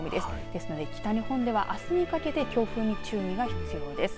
ですので北日本ではあすにかけて強風に注意が必要です。